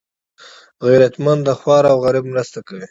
غیرتمند د خوار او غریب مرسته کوي